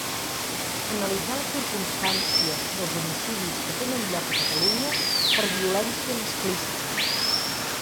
Analitzar les circumstàncies dels homicidis que tenen lloc a Catalunya per violència masclista.